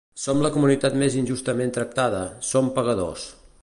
Som la comunitat més injustament tractada, som pagadors.